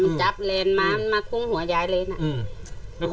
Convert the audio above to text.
มันจับแลนด์มามาคุ้มหัวยายเลยนะ